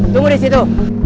tunggu di situ